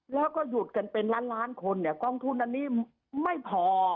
แล้วก็หยุดกันเป็นล้านล้านคนเนี่ยกองทุนอันนี้ไม่พอ